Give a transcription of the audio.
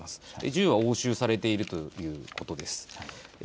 銃は押収されているということです。